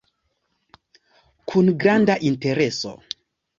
Kun granda intereso.